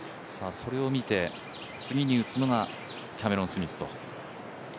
それを見て次に打つのがキャメロン・スミスと。